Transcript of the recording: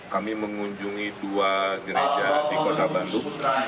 kami mengunjungi dua gereja di kota bandung